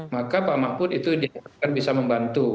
maka pak mahfud itu dia akan bisa membantu